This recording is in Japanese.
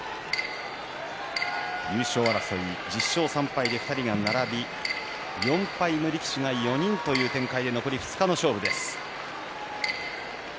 優勝争い、１０勝３敗で２人が並び４敗の力士が４人という展開で残り２日の勝負です。